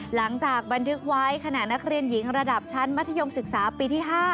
หลังจากบันทึกไว้ขณะนักเรียนหญิงระดับชั้นมัธยมศึกษาปีที่๕